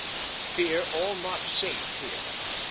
Fear all not safe here.